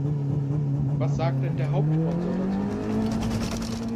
Was sagt denn der Hauptsponsor dazu?